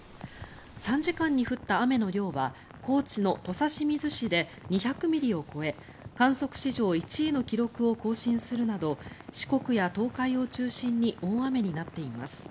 ３時間に降った雨の量は高知の土佐清水市で２００ミリを超え観測史上１位の記録を更新するなど四国や東海を中心に大雨になっています。